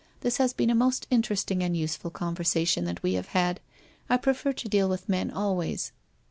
This has been a most interesting and use ful conversation that we have had. I prefer to deal with men always.